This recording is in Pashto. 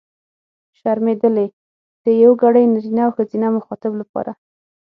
شرمېدلې! د یوګړي نرينه او ښځينه مخاطب لپاره.